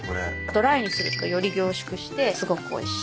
ドライにするとより凝縮してすごくおいしい。